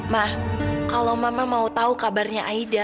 mah kalau mama mau tahu kabarnya aida